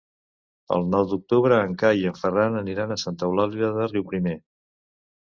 El nou d'octubre en Cai i en Ferran aniran a Santa Eulàlia de Riuprimer.